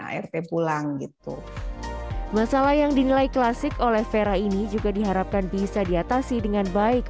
art pulang gitu masalah yang dinilai klasik oleh vera ini juga diharapkan bisa diatasi dengan baik